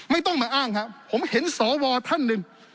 ไม่ต้องมาอ้างครับผมเห็นสวท่านหนึ่ง